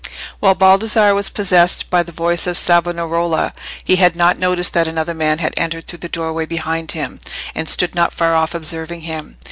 While Baldassarre was possessed by the voice of Savonarola, he had not noticed that another man had entered through the doorway behind him, and stood not far off observing him.